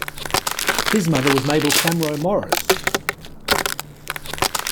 His mother was Mabel Camroux Morris.